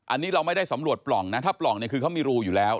อันนี้เราไม่ได้สำรวจปล่องนะถ้าปล่องเนี่ยคือเขามีรูอยู่แล้ว